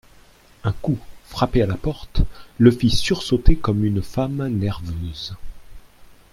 Un coup frappé à la porte le fit sursauter comme une femme nerveuse.